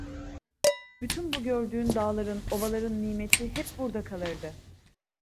Bütün bu gördüğün dağların, ovaların nimeti hep burda kalırdı.